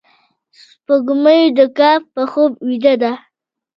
سپوږمۍ د کهف په خوب بیده ده